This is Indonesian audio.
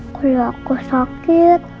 aku juga aku sakit